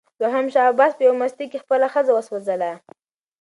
دوهم شاه عباس په یوه مستۍ کې خپله ښځه وسوځوله.